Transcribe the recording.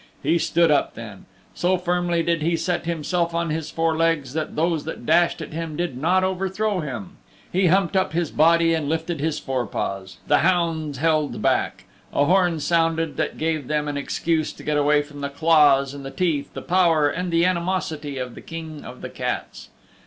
He stood up then. So firmly did he set himself on his four legs that those that dashed at him did not overthrow him. He humped up his body and lifted his forepaws. The hounds held back. A horn sounded and that gave them an excuse to get away from the claws and the teeth, the power and the animosity of the King of the Cats.